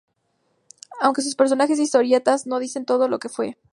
Aunque sus personajes de historietas no dicen todo lo que fue.